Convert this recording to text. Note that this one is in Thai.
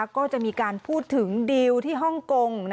ก็จะมีการพูดถึงดิวที่ฮ่องกง